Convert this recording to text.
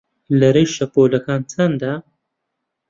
لەرەی شەپۆڵەکان چەندە؟